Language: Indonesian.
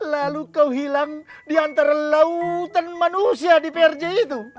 lalu kau hilang di antara lautan manusia di prj itu